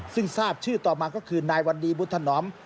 ซึ่งทราบชื่อต่อมาก็คือนายวันดีพุทธนอม